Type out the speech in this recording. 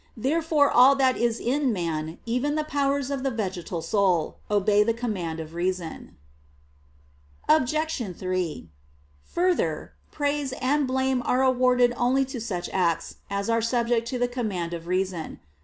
Therefore all that is in man, even the powers of the vegetal soul, obey the command of reason. Obj. 3: Further, praise and blame are awarded only to such acts as are subject to the command of reason.